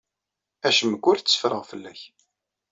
Acemmek ur tetteffreɣ fell-ak.